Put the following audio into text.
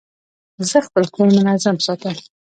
زه خپل کور منظم ساتم.